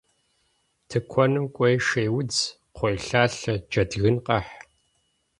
Тыкуэным кӏуэи шейудз, кхъуейлъалъэ, джэдгын къэхь.